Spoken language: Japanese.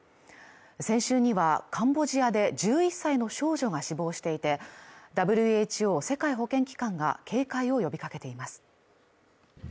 先週にはカンボジアで１１歳の少女が死亡していて、ＷＨＯ＝世界保健機関が警戒を呼びかけています。